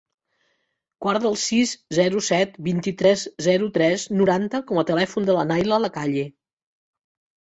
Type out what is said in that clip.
Guarda el sis, zero, set, vint-i-tres, zero, tres, noranta com a telèfon de la Nayla Lacalle.